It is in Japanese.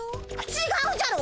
ちがうじゃろ。